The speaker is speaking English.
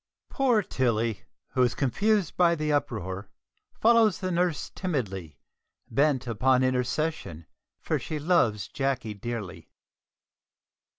Poor Tilly, who is confused by the uproar, follows the nurse timidly, bent upon intercession, for she loves Jacky dearly.